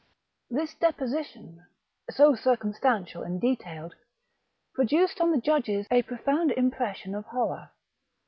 This deposition, so circumstantial and detailed, pro duced on the judges a profound impression of horror.